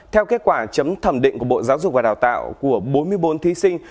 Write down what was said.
theo kết quả chấm thẩm định của bộ giáo dục và đào tạo của bốn mươi bốn thí sinh